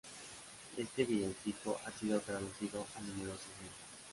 Este villancico ha sido traducido a numerosas lenguas.